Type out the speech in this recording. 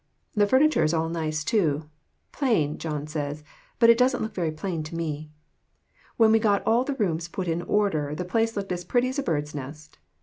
The furni ture is all nice, too "plain," John says, but it doesn't look very plain to me. When we got all the rooms put in order the place looked as pretty as a bird's nest.